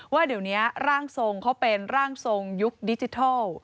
ว่าเดี๋ยวนี้ร่างทรงเขาเป็นร่างทรงยุคดิจิทัล